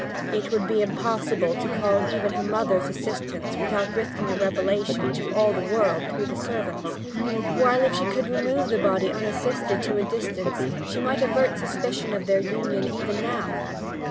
It would be impossible to call even her mother's assistance without risking a revelation to all the world through the servants; while if she could remove the body unassisted to a distance she might avert suspicion of their union even now.